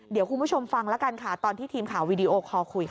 เดี๋ยวคุณผู้ชมฟังแล้วกันค่ะตอนที่ทีมข่าววีดีโอคอลคุยค่ะ